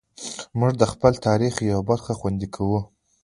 موږ د خپل تاریخ یوه برخه خوندي کوو.